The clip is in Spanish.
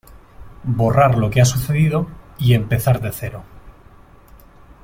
borrar lo que ha sucedido y empezar de cero ...